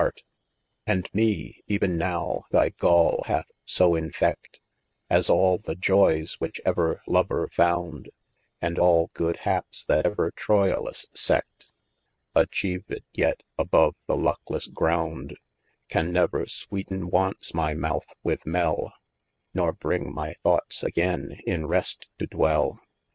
425 THE ADVENTURES And me even now, thy gall hath so enfeif, As all the joyes which ever lover found, And all good haps, that ever Troylus se£i, Atchieved yet above the luckles ground: Can never sweeten once my mouth with mell, Nor bring my thoughtei, againe in rest to dwell.